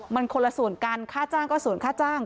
มันคนละส่วนกันค่าจ้างก็ส่วนค่าจ้าง